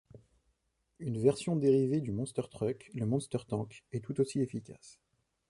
Une version dérivée du Monster truck, le Monster tank, est tout aussi efficace.